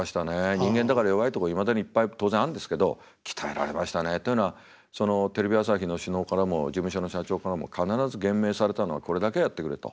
人間だから弱いとこいまだにいっぱい当然あるんですけど鍛えられましたね。というのはテレビ朝日の首脳からも事務所の社長からも必ず厳命されたのはこれだけはやってくれと。